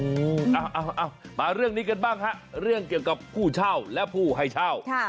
เอามาเรื่องนี้กันบ้างฮะเรื่องเกี่ยวกับผู้เช่าและผู้ให้เช่า